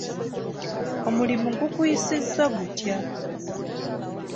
Omulimu gukuyisizza gutya?